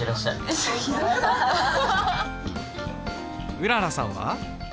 うららさんは？